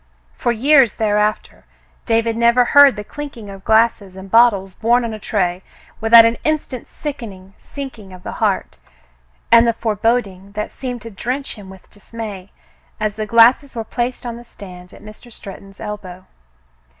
For years thereafter, David never heard the clinking of glasses and bottles borne on a tray without an instant's sickening sinking of the heart, and the foreboding that seemed to drench him with dismay as the glasses were placed on the stand at Mr. Stretton's elbow.